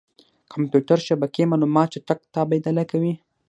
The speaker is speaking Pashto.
کمپیوټر شبکې معلومات چټک تبادله کوي.